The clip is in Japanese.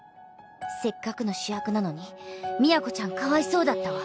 せっかくの主役なのに都ちゃんかわいそうだったわ。